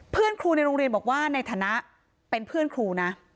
เพื่อนครูในโรงเรียนบอกว่าในฐานะเป็นเพื่อนครูนะ